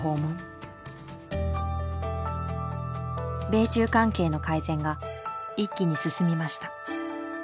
米中関係の改善が一気に進みました。